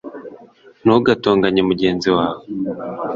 ntugatonganye mugenzi wawe